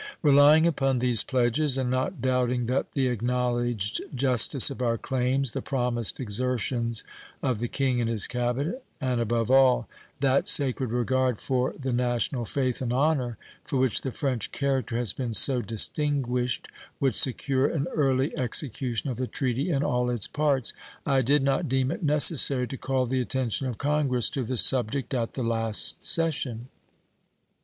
Relying upon these pledges, and not doubting that the acknowledged justice of our claims, the promised exertions of the King and his cabinet, and, above all, that sacred regard for the national faith and honor for which the French character has been so distinguished would secure an early execution of the treaty in all its parts, I did not deem it necessary to call the attention of Congress to the subject at the last session.